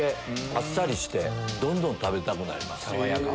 あっさりしてどんどん食べたくなります。